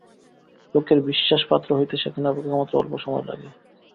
লোকের বিশ্বাসপাত্র হইতে সেখানে অপেক্ষাকৃত অল্প সময় লাগে।